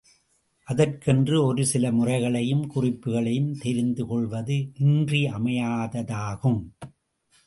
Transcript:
அதற்கென்று ஒரு சில முறைகளையும் குறிப்புக்களையும் தெரிந்து கொள்வது இன்றியமையாததாகும்.